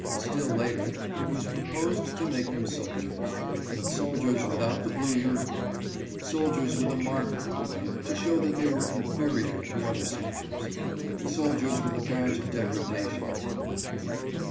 Still later it was pro posed to make them soldiers, but soldiers without the blue uniform, soldiers with a mark upon them to show that they were inferior to other soldiers ; soldiers with a badge of degradation upon them.